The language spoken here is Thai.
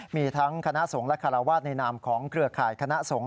มีทั้งคณะสงฆ์และคาราวาสในนามของเครือข่ายคณะสงฆ